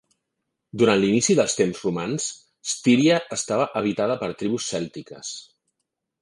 Durant l'inici dels temps romans, Styria estava habitada per tribus cèltiques.